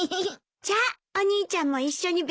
じゃあお兄ちゃんも一緒に勉強する？